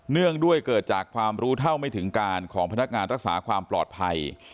เนื่องด้วยเกิดจากความรู้เท่าไม่ถึงการของพนักงานรักษาความปลอดภัย